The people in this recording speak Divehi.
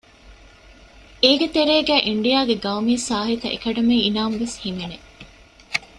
އޭގެ ތެރޭގައި އިންޑިއާގެ ގައުމީ ސާހިތަ އެކަޑަމީ އިނާމު ވެސް ހިމެނެ